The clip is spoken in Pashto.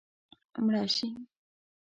مړه شي